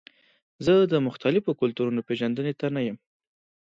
زه د مختلفو کلتورونو پیژندنې ته نه یم.